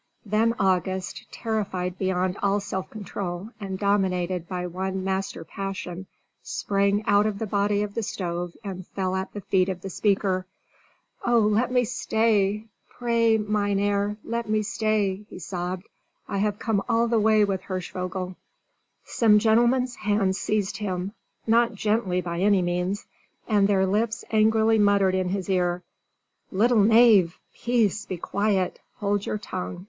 Then August, terrified beyond all self control, and dominated by one master passion, sprang out of the body of the stove and fell at the feet of the speaker. "Oh, let me stay! Pray, meinherr, let me stay!" he sobbed. "I have come all the way with Hirschvogel!" Some gentlemen's hands seized him, not gently by any means, and their lips angrily muttered in his ear, "Little knave, peace! be quiet! hold your tongue!